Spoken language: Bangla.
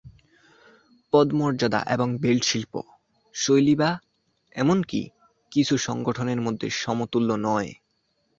পদমর্যাদা এবং বেল্ট শিল্প, শৈলী বা এমনকি কিছু সংগঠনের মধ্যে সমতুল্য নয়।